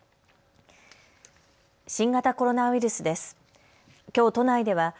新型コロナウイルスです。